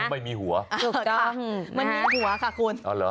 มันมีหัวค่ะคุณ